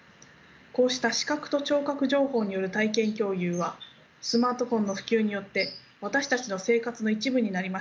こうした視覚と聴覚情報による体験共有はスマートフォンの普及によって私たちの生活の一部になりました。